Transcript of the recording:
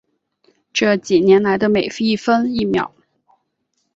这几年来的每一分一秒